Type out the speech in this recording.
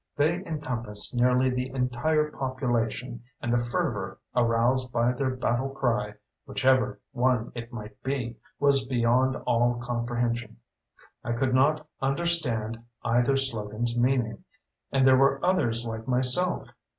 They encompassed nearly the entire population and the fervor aroused by their battle cry, whichever one it might be, was beyond all comprehension. I could not understand either slogan's meaning and there were others like myself.